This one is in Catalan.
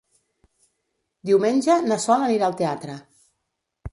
Diumenge na Sol anirà al teatre.